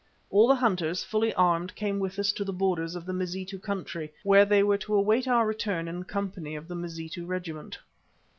All the hunters, fully armed, came with us to the borders of the Mazitu country, where they were to await our return in company with the Mazitu regiment.